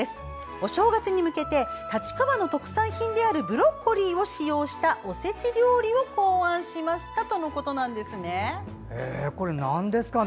お正月に向けて立川の特産品であるブロッコリーを使用したおせち料理を考案しました」。とのことなんですね。